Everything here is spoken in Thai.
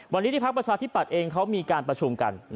วันนี้ที่พักประชาธิปัตย์เองเขามีการประชุมกัน